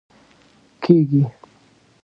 کیږي